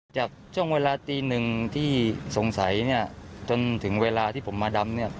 จากช่วงเวลาตีหนึ่งที่สงสัยเนี่ยจนถึงเวลาที่ผมมาดำเนี่ย